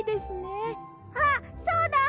あっそうだ！